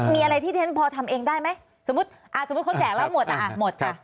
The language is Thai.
มีอะไรที่ฉันพอทำเองได้ไหมสมมุติเขาแจกแล้วหมดอ่ะหมดค่ะ